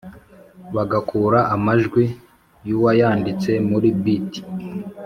bagakura amajwi y'uwayanditse muri beat